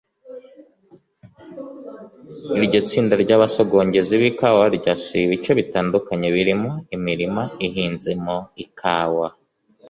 Iryo tsinda ry’abasogongezi b’ikawa ryasuye ibice bitandukanye birimo imirima ihinzemo ikawa